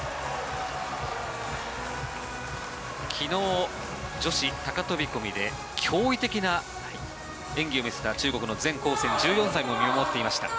昨日、女子高飛込で驚異的な演技を見せた中国のゼン・コウセン１４歳も見守っていました。